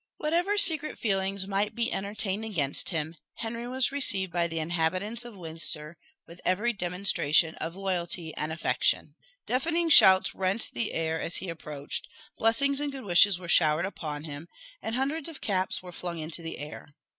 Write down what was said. Whatever secret feelings might be entertained against him, Henry was received by the inhabitants of Windsor with every demonstration of loyalty and affection. Deafening shouts rent the air as he approached; blessings and good wishes were showered upon him; and hundreds of caps were flung into the air.